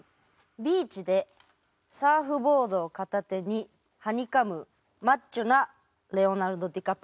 ビーチでサーフボードを片手にはにかむマッチョなレオナルド・ディカプリオ。